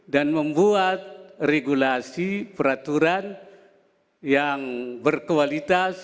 dan membuat regulasi peraturan yang berkualitas